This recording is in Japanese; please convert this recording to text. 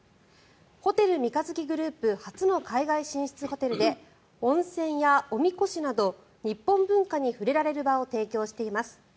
ホテル三日月グループ初の海外進出ホテルで温泉やおみこしなど日本文化に触れられる場を提供しています。